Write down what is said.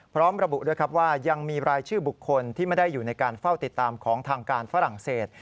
พร้อมระบุด้วยครับว่ายังมีรายชื่อบุคคลที่ไม่ได้อยู่ในการเฝ้าติดตามของทางการฝรั่งเศส